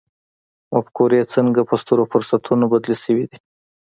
مفکورې څنګه په سترو فرصتونو بدلې شوې دي.